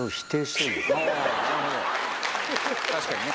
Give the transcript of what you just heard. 確かにね。